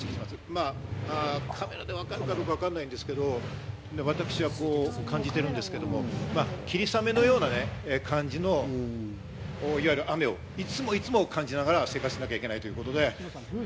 カメラでわかるかどうかわからないですけど、私は感じているんですけれども霧雨のような感じの、いわゆる雨をいつもいつも感じながら生活しなきゃいけないという。